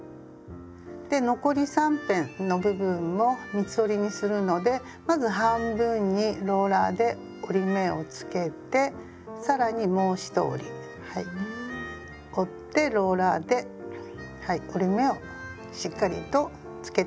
で残り三辺の部分も三つ折りにするのでまず半分にローラーで折り目をつけて更にもう一折り折ってローラーで折り目をしっかりとつけてゆきます。